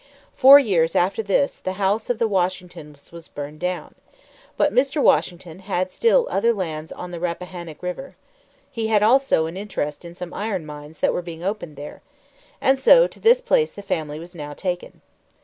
Four years after this the house of the Washingtons was burned down. But Mr. Washington had still other lands on the Rappahannock River. He had also an interest in some iron mines that were being opened there. And so to this place the family was now taken.